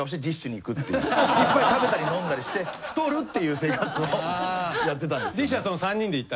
いっぱい食べたり飲んだりして太るっていう生活をやってたんですよね。